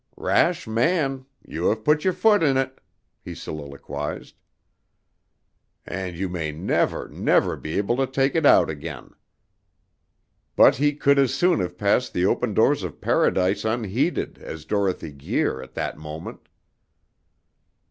"Rash man! You have put your foot in it," he soliloquized, "and you may never, never be able to take it out again." But he could as soon have passed the open doors of Paradise unheeded as Dorothy Guir at that moment.